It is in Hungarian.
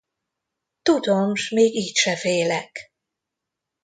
Tudom, s még így se félek!